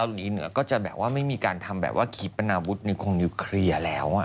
เหนือก็จะแบบว่าไม่มีการทำแบบว่าขีปนาวุฒนิคงนิวเคลียร์แล้ว